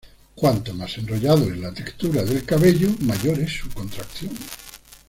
Cuanto más enrollado es la textura del cabello, mayor es su contracción.